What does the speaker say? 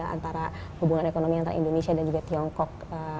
antara hubungan ekonomi antara indonesia dan juga tiongkok